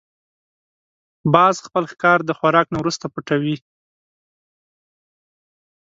باز خپل ښکار د خوراک نه وروسته پټوي